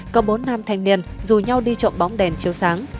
có bốn nam thanh niên rủ nhau đi trộm bóng đèn chiếu sáng